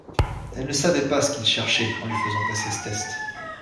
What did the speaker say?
Elle ne savait pas ce qu’ils cherchaient en lui faisant passer ce test.